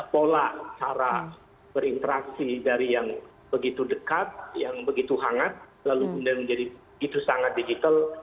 pola cara berinteraksi dari yang begitu dekat yang begitu hangat lalu kemudian menjadi begitu sangat digital